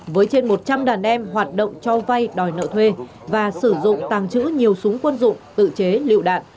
với trên một trăm linh đàn em hoạt động cho vay đòi nợ thuê và sử dụng tàng trữ nhiều súng quân dụng tự chế lựu đạn